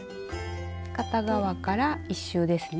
片側から１周ですね。